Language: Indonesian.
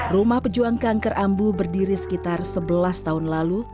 rumah pejuang kanker ambu berdiri sekitar sebelas tahun lalu